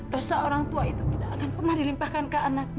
dosa orang tua itu tidak akan pernah dilimpahkan ke anaknya